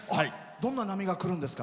どんな波がくるんですか？